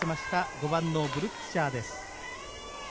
５番のブルックシャーです。